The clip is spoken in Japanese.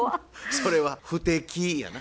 それは不敵やな。